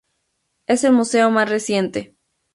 Es el museo más reciente.